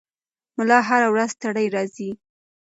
ملا هره ورځ ستړی راځي.